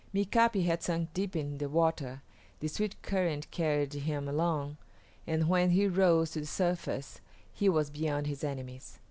Mika´pi had sunk deep in the water. The swift current carried him along, and when he rose to the surface he was beyond his enemies.